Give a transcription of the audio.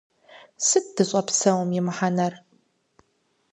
Сыт дыщӏэпсэум и мыхьэнэр?